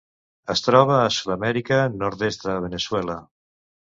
Es troba a Sud-amèrica: nord-est de Veneçuela.